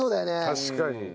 確かに。